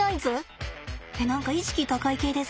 えっ何か意識高い系ですね。